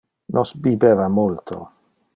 Nos bibeva multo.